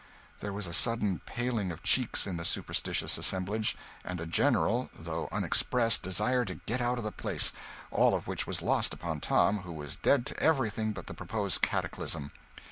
There was a sudden paling of cheeks in the superstitious assemblage, and a general, though unexpressed, desire to get out of the place all of which was lost upon Tom, who was dead to everything but the proposed cataclysm.